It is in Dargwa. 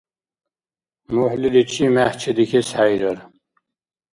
МухӀлиличи мегь чедихьес хӀейрар.